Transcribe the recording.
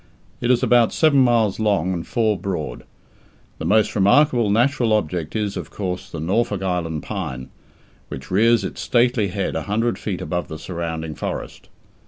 It is about seven miles long and four broad. The most remarkable natural object is, of course, the Norfolk Island pine, which rears its stately head a hundred feet above the surrounding forest.